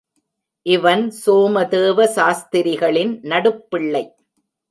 இவன் சோமதேவ சாஸ்திரிகளின் நடுப்பிள்ளை.